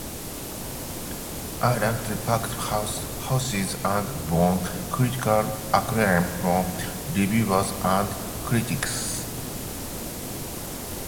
It ran to packed houses and won critical acclaim from reviewers and critics.